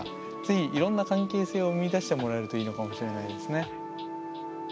是非いろんな関係性を見いだしてもらえるといいのかもしれないですね。